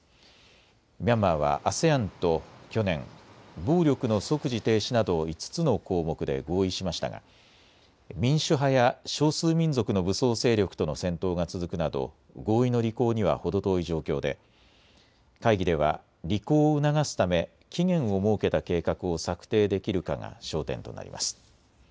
ミャンマーはＡＳＥＡＮと去年、暴力の即時停止など５つの項目で合意しましたが民主派や少数民族の武装勢力との戦闘が続くなど合意の履行には程遠い状況で会議では履行を促すため期限を設けた計画を策定できるかが焦点となります。